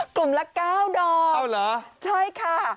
กลุ่มละเก้าดอกเอ้าเหรอใช่ค่ะ